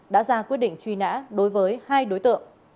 đã ra quyết định truy nã đối với hai đối tượng